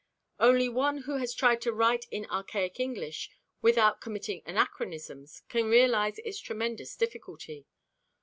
Only one who has tried to write in archaic English without committing anachronisms can realize its tremendous difficulty.